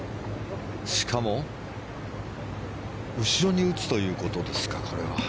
しかも、これは後ろに打つということですか？